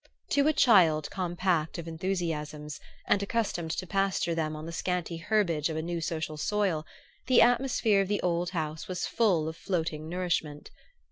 To a child compact of enthusiasms, and accustomed to pasture them on the scanty herbage of a new social soil, the atmosphere of the old house was full of floating nourishment.